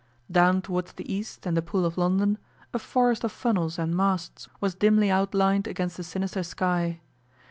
Down towards the east and the Pool of London a forest of funnels and masts was dimly outlined against the sinister sky.